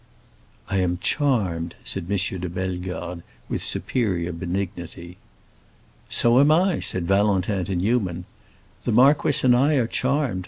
"I am charmed!" said M. de Bellegarde, with superior benignity. "So am I," said Valentin to Newman. "The marquis and I are charmed.